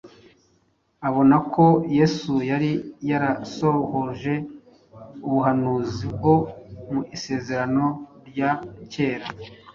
abona ko Yesu yari yarasohoje ubuhanuzi bwo mu Isezerano rya Kera